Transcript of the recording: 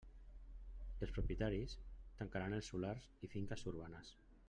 Els propietaris tancaran els solars i finques urbanes.